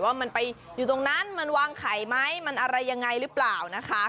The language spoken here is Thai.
ว่ามันไปอยู่ตรงนั้นมันวางไข่ไหมมันอะไรยังไงหรือเปล่านะคะ